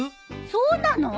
そうなの？